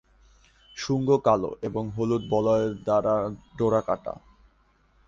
শুঙ্গ কালো এবং হলুদ বলয় দ্বারা ডোরাকাটা।